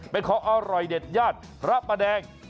เป็นข้ออร่อยเด็ดญาติระปะแดง